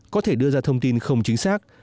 có thể đưa ra thông tin không chính xác